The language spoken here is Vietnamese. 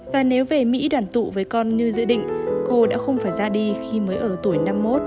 và nếu về mỹ đoàn tụ với con như dự định cô đã không phải ra đi khi mới ở tuổi năm mươi một